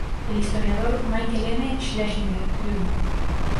El historiador Michael M. Schlesinger, Jr.